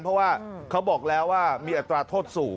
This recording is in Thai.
เพราะว่าเขาบอกแล้วว่ามีอัตราโทษสูง